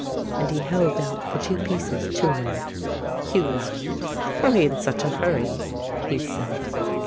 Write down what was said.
" And he held out the two pieces to him. Hugh laughed. "Why in such a hurry ?" he said.